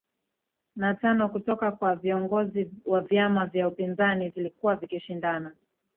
na tano kutoka kwa viongozi wa viama vya upinzani vilivyokuwa vikishindana